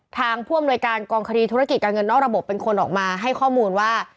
ผู้อำนวยการกองคดีธุรกิจการเงินนอกระบบเป็นคนออกมาให้ข้อมูลว่า